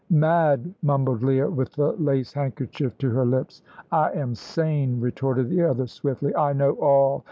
"Mad," mumbled Leah, with the lace handkerchief to her lips. "I am sane," retorted the other, swiftly. "I know all.